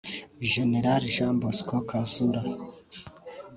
Gen Jean-Bosco Kazura